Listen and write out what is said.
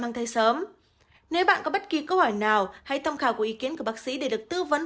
mang thai sớm nếu bạn có bất kỳ câu hỏi nào hãy tham khảo ý kiến của bác sĩ để được tư vấn